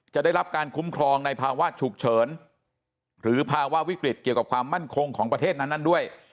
ได้รับการคุ้มครองในภาวะฉุกเฉินหรือภาวะวิกฤตเกี่ยวกับความมั่นคงของประเทศนั้นด้วย